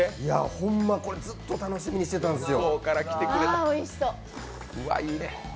ほんま、これずっと楽しみにしてたんですよ。